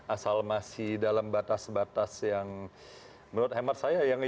asal masih dalam batas batas yang menurut hemat saya